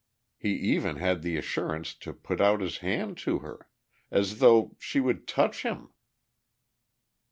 He even had the assurance to put out his hand to her! As though she would touch him!...